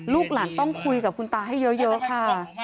ลูกหลานต้องคุยกับคุณตาให้เยอะค่ะ